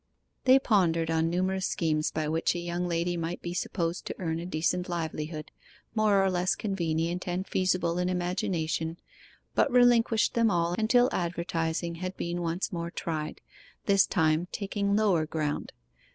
They pondered on numerous schemes by which a young lady might be supposed to earn a decent livelihood more or less convenient and feasible in imagination, but relinquished them all until advertising had been once more tried, this time taking lower ground.